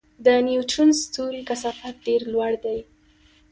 د نیوټرون ستوري کثافت ډېر لوړ دی.